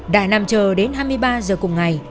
đài nằm chờ đến hai mươi ba giờ cùng ngày